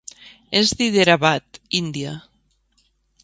És d'Hyderabad, Índia.